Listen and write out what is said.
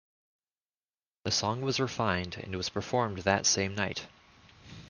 The song was refined and was performed that same night.